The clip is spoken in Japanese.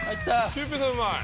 シュウペイさんうまい。